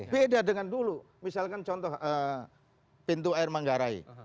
beda dengan dulu misalkan contoh pintu air manggarai